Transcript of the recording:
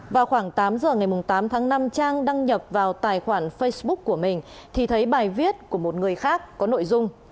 vào khoảng tám giờ ngày tám tháng năm trang đăng nhập vào tài khoản facebook của mình thì thấy bài viết của một người khác có nội dung